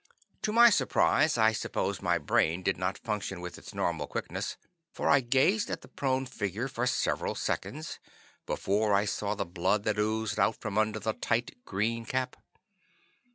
Due to my surprise, I suppose my brain did not function with its normal quickness, for I gazed at the prone figure for several seconds before I saw the blood that oozed out from under the tight green cap.